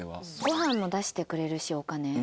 ご飯も出してくれるしお金。